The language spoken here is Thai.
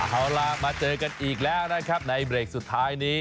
เอาล่ะมาเจอกันอีกแล้วนะครับในเบรกสุดท้ายนี้